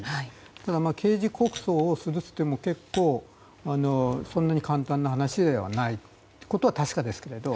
ただ、刑事告訴をするといってもそんなに簡単な話ではないことは確かですけれども。